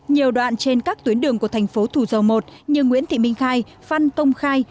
nhiều đoạn trên các tuyến đường của thành phố thủ dầu một như nguyễn thị minh khai phan công khai